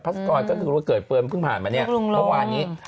สกรก็คือวันเกิดเฟิร์นเพิ่งผ่านมาเนี่ยเมื่อวานนี้